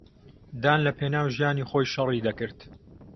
دان لەپێناو ژیانی خۆی شەڕی دەکرد.